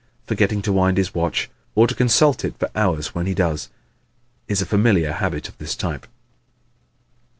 Forgetting to wind his watch or to consult it for hours when he does, is a familiar habit of this type.